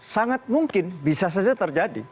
sangat mungkin bisa saja terjadi